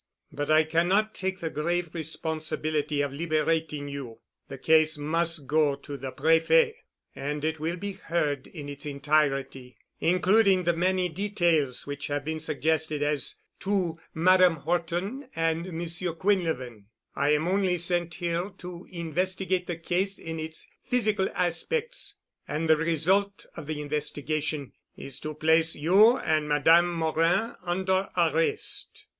But I cannot take the grave responsibility of liberating you. The case must go to the Prefet and will be heard in its entirety, including the many details which have been suggested as to Madame Horton and Monsieur Quinlevin. I am only sent here to investigate the case in its physical aspects. And the result of the investigation is to place you and Madame Morin under arrest."